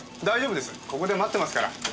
ここで待ってますから。